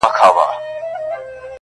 مرګ له خدایه په زاریو ځانته غواړي-